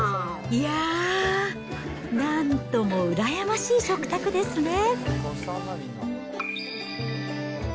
いやぁ、なんとも羨ましい食卓ですね。